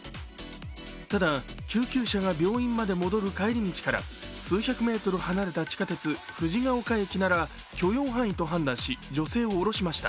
ただ、救急車が病院まで戻る帰り道から数百メートル離れた地下鉄・藤が丘駅なら許容範囲を判断し、女性を降ろしました。